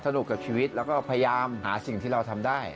กับชีวิตแล้วก็พยายามหาสิ่งที่เราทำได้